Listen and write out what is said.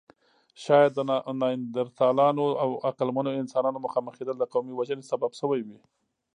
شاید د نیاندرتالانو او عقلمنو انسانانو مخامخېدل د قومي وژنې سبب شوې وي.